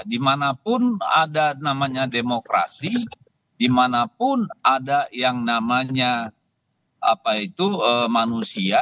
dimanapun ada namanya demokrasi dimanapun ada yang namanya manusia